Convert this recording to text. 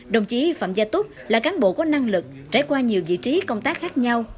đồng chí phạm gia túc là cán bộ có năng lực trải qua nhiều vị trí công tác khác nhau